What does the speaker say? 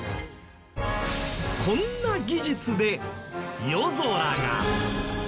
こんな技術で夜空が。